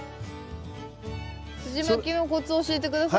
すじまきのコツ教えて下さい。